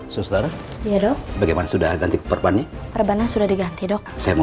sustara iya dok bagaimana sudah ganti perban perban sudah diganti dok saya mau